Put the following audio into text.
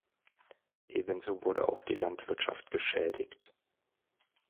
Ebenso wurde auch die Landwirtschaft geschädigt.